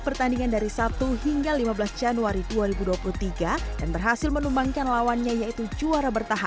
pertandingan dari sabtu hingga lima belas januari dua ribu dua puluh tiga dan berhasil menumbangkan lawannya yaitu juara bertahan